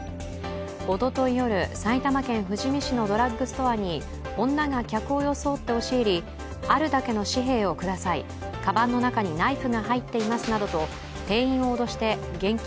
おととい夜、埼玉県富士見市のドラッグストアに女が客を装って押し入りあるだけの紙幣をください、かばんの中にナイフが入っていますなどと店員を脅して現金